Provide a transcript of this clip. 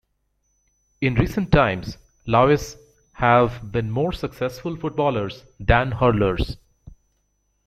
In recent times Laois have been more successful footballers than hurlers.